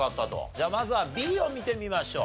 じゃあまずはＢを見てみましょう。